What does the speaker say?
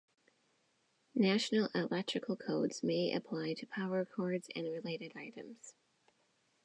National electrical codes may apply to power cords and related items.